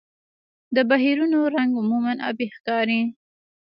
د بحرونو رنګ عموماً آبي ښکاري.